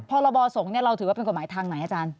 พรบสงฆ์เราถือว่าเป็นกฎหมายทางไหนอาจารย์